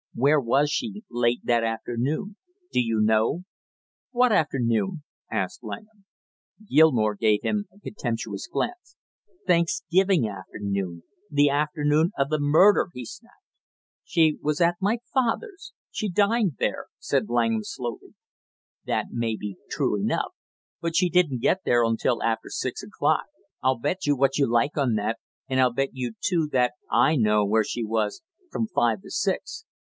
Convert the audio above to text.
"Where was she late that afternoon, do you know?" "What afternoon?" asked Langham. Gilmore gave him a contemptuous glance. "Thanksgiving afternoon, the afternoon of the murder," he snapped. "She was at my father's, she dined there," said Langham slowly. "That may be true enough, but she didn't get there until after six o'clock I'll bet you what you like on that, and I'll bet you, too, that I know where she was from five to six.